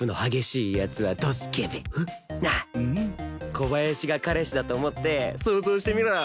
小林が彼氏だと思って想像してみろ。